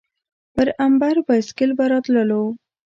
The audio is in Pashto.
پر امبر بایسکل به راتللو.